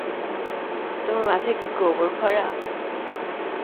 তোমার মাথায় কি গবর ভরা?